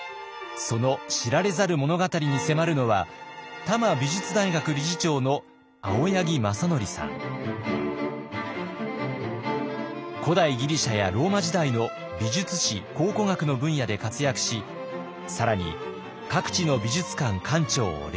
その知られざる物語に迫るのは古代ギリシャやローマ時代の美術史考古学の分野で活躍し更に各地の美術館館長を歴任。